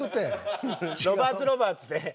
ロバーツロバーツで。